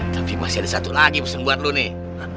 tapi masih ada satu lagi musim buat lo nih